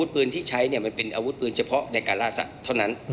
มีการที่จะพยายามติดศิลป์บ่นเจ้าพระงานนะครับ